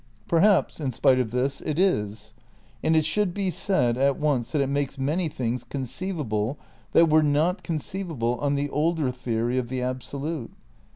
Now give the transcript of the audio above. Perhaps, in spite of this, it is. And it should be said at once that it makes many things conceivable that were not conceivable on the older theory of the Absolute.